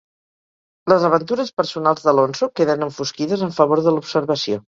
Les aventures personals d'Alonso queden enfosquides en favor de l'observació.